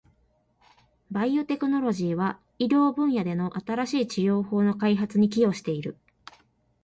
バイオテクノロジーは、医療分野での新しい治療法の開発に寄与している。